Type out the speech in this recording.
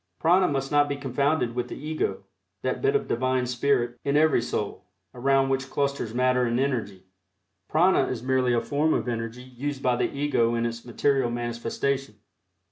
Prana must not be confounded with the Ego that bit of Divine Spirit in every soul, around which clusters matter and energy. Prana is merely a form of energy used by the Ego in its material manifestation.